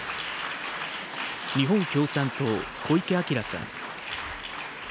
日本共産党、小池晃さん。